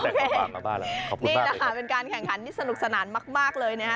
นี่แหละค่ะเป็นการแข่งขันที่สนุกสนานมากเลยนะฮะ